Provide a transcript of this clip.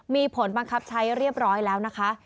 มีผลบังคับใช้เรียบร้อยแล้วนะคะ